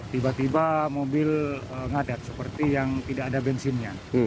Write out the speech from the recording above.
tiba tiba mobil ngadat seperti yang tidak ada bensinnya